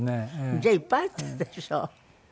じゃあいっぱいあったでしょ。